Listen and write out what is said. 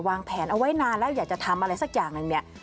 วางแผนเอาไว้นานแล้วอยากจะทำอะไรสักอย่างหนึ่งเนี่ย